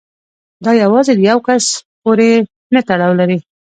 دا یوازې د یو کس پورې نه تړاو لري.